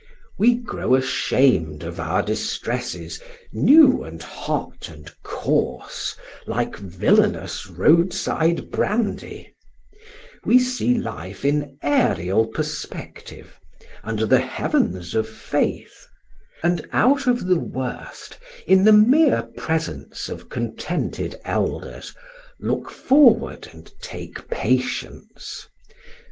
We grow ashamed of our distresses new and hot and coarse, like villainous roadside brandy; we see life in aerial perspective, under the heavens of faith; and out of the worst, in the mere presence of contented elders, look forward and take patience.